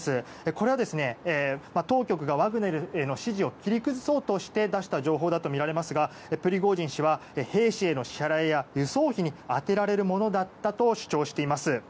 これは当局がワグネルへの支持を切り崩そうとして出した情報だとみられますがプリゴジン氏は兵士への支払いや輸送費に充てられるものだったと主張しています。